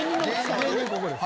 ここです。